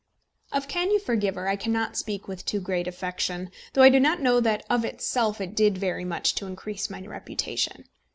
Of Can You Forgive Her? I cannot speak with too great affection, though I do not know that of itself it did very much to increase my reputation.